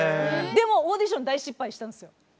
でもオーディション大失敗したんですよ。